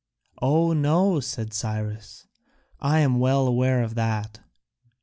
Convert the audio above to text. "Oh, no," said Cyrus, "I am well aware of that."